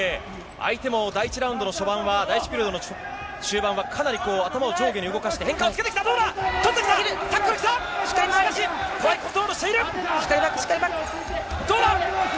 相手も第１ラウンドの序盤は、第１ピリオドの終盤は、かなりこう、頭を上下に動かして変化をつけてきた、どうだ。